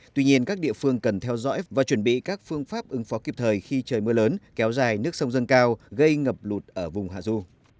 tuy nhiên các địa phương cần theo dõi và chuẩn bị các phương pháp ứng phó kịp thời khi trời mưa lớn kéo dài nước sông dâng cao gây ngập lụt ở vùng hạ du